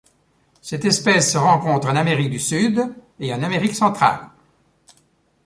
Cette espèce se rencontre en Amérique du Sud et en Amérique centrale.